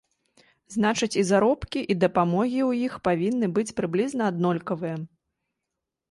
Значыць, і заробкі, і дапамогі ў іх павінны быць прыблізна аднолькавыя.